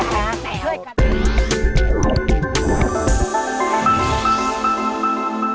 ขยานอีกละค่ะ